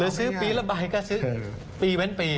หรือซื้อปีละใบก็ซื้อปีเป็นปี